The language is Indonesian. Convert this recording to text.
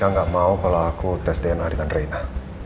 mereka gak mau kalau aku tes dna dengan reina